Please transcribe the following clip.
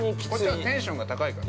◆こっちはテンションが高いから。